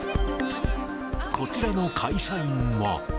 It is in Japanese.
こちらの会社員は。